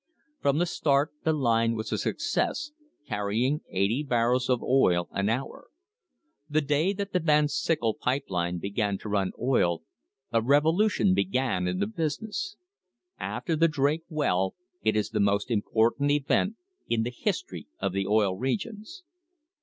From the start the line was a success, carrying eighty barrels of oil an hour. The day that the Van Syckel pipe line began to run oil a revolution began in the business. After the Drake well it is the most important event in the history of the Oil Regions.